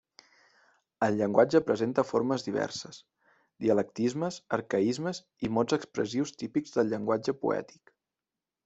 El llenguatge presenta formes diverses: dialectalismes, arcaismes i mots expressius típics del llenguatge poètic.